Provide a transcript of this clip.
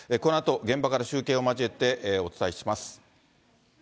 このあと、現場から中継を交えてお伝えします。